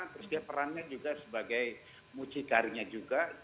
terus dia perannya juga sebagai mucikarinya juga